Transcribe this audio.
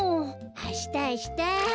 あしたあした。